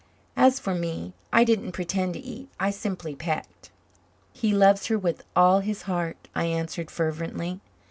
As for me, I didn't pretend to eat. I simply pecked. "He loves her with all his heart," I answered fervently.